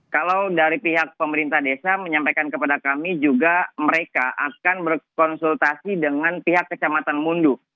kalau dari pihak pemerintah desa menyampaikan kepada kami juga mereka akan berkonsultasi dengan pihak kecamatan mundu